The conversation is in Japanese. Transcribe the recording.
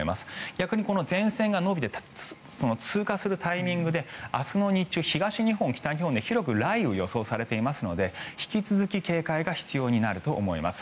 逆に前線が延びて通過するタイミングで明日の日中は東日本、北日本で広く雷雨が予想されていますので引き続き警戒が必要になると思います。